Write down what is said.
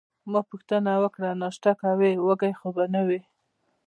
ما پوښتنه وکړه: ناشته کوې، وږې خو به نه یې؟